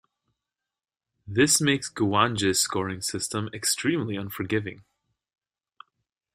This makes Guwange's scoring system extremely unforgiving.